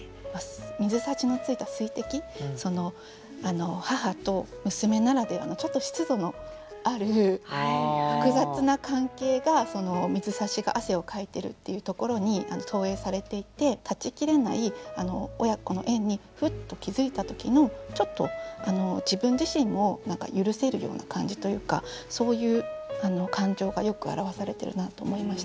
水差しについた水滴その母と娘ならではのちょっと湿度のある複雑な関係が水差しが汗をかいてるっていうところに投影されていて断ち切れない親子の縁にふっと気付いた時のちょっと自分自身も許せるような感じというかそういう感情がよく表されてるなと思いました。